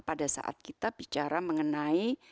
pada saat kita bicara mengenai